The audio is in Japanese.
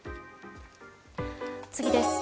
次です。